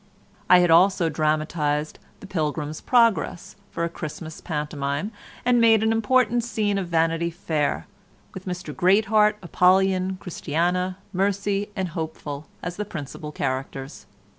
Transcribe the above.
I had also dramatised "The Pilgrim's Progress" for a Christmas Pantomime, and made an important scene of Vanity Fair, with Mr Greatheart, Apollyon, Christiana, Mercy, and Hopeful as the principal characters.